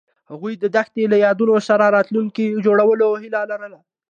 هغوی د دښته له یادونو سره راتلونکی جوړولو هیله لرله.